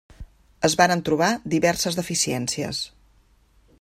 Es varen trobar diverses deficiències.